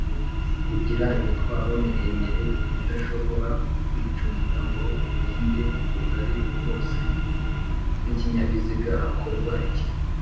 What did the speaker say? kugira imitwaro miremire idashobora kwicunda ngo irenge ubugali bwose bw’ikinyabiziga hakorwa iki